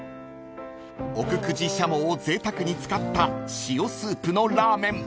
［奥久慈しゃもをぜいたくに使った塩スープのラーメン